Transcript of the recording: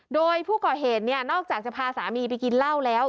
โดยผู้ก่อเหตุเนี่ยนอกจากจะพาสามีไปกินเหล้าแล้ว